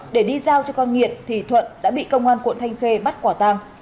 để đi giao cho con nghiện thì thuận đã bị công an quận thanh khê bắt quả tàng